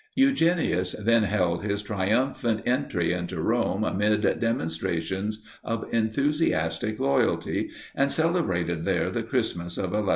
Eugenius then held his triumphant entry into Rome amid demonstrations of enthusiastic loyalty, and celebrated there the Christmas of 1145.